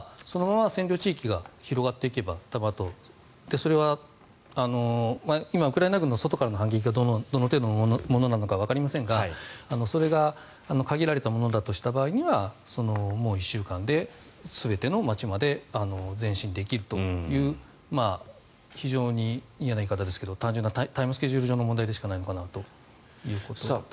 そのまま占領地域が広がっていけば多分、あとは今ウクライナ軍の外からの反撃がどの程度のものなのかわかりませんがそれが限られたものだとした場合にはもう１週間で全ての街まで前進できるという非常に嫌な言い方ですけど単純なタイムスケジュール上の問題でしかないのかなということです。